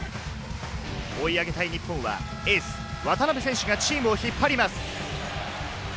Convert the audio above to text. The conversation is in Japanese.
追い上げたい日本はエース・渡邊選手がチームを引っ張ります。